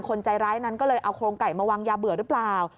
ใจร้ายนั้นก็เลยเอาโครงไก่มาวางยาเบื่อหรือเปล่า